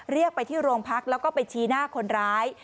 เรียกไปที่โรงพักแล้วก็ไปชี้หน้าคนร้าย